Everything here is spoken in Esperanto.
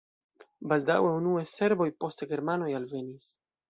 Baldaŭe unue serboj, poste germanoj alvenis.